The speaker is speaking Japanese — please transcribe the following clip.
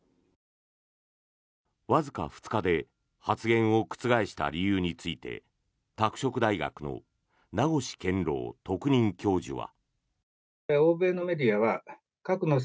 わずか２日で発言を覆した理由について拓殖大学の名越健郎特任教授は。